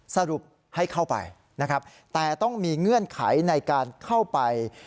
สรุปให้เข้าไปนะครับแต่ต้องมีเงื่อนไขในการเข้าไป